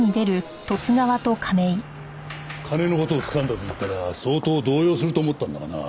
金の事をつかんだと言ったら相当動揺すると思ったんだがな。